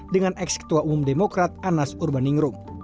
dengan ex ketua umum demokrat anas urbaningrum